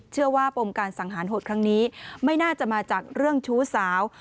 ปมการสังหารโหดครั้งนี้ไม่น่าจะมาจากเรื่องชู้สาว